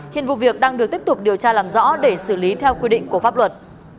hiện vụ việc đang được tiếp tục điều tra làm rõ để xử lý theo quy định của pháp luật